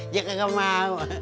jaka gak mau